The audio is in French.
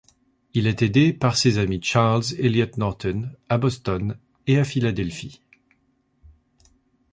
Il est aidé par ses amis Charles Eliot Norton à Boston et à Philadelphie.